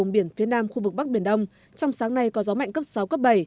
vùng biển phía nam khu vực bắc biển đông trong sáng nay có gió mạnh cấp sáu cấp bảy